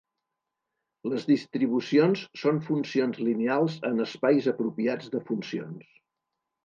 Les distribucions són funcions lineals en espais apropiats de funcions.